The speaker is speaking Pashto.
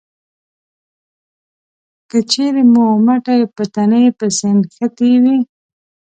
که چېرې مو مټې په تنې پسې نښتې وي